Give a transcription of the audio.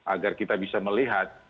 agar kita bisa melihat